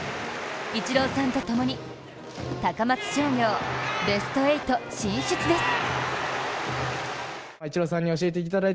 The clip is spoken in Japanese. イチローさんと共に、高松商業、ベスト８進出です。